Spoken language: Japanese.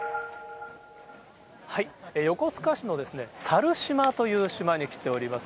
横須賀市の猿島という島に来ております。